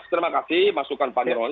jadi terima kasih masukan pak nirwono